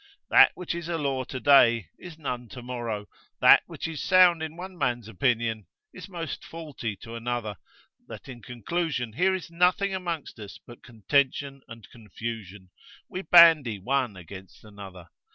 That which is a law today, is none tomorrow; that which is sound in one man's opinion, is most faulty to another; that in conclusion, here is nothing amongst us but contention and confusion, we bandy one against another.